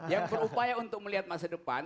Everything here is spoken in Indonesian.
yang berupaya untuk melihat masa depan